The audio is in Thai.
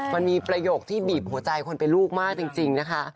มันมีประโยคที่บีบหัวใจคนเป็นลูกมากจริงนะคะ